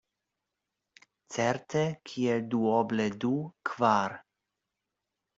Certe, kiel duoble du kvar.